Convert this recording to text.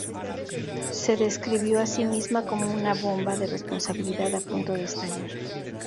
Se describió a sí misma como "una bomba de responsabilidad a punto de estallar".